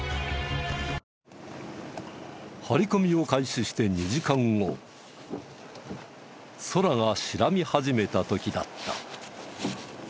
張り込みを開始して２時間後空が白み始めた時だった。